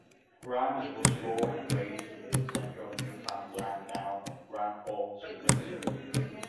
Grimes was born and raised in the central Newfoundland town of Grand Falls-Windsor.